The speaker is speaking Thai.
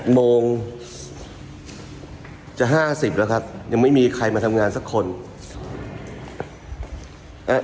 โมงจะ๕๐แล้วครับยังไม่มีใครมาทำงานสักคน